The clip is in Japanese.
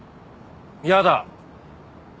嫌だ！